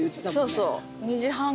そうそう。